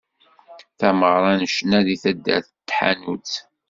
Tameɣra n ccna deg taddart n Taḥanut.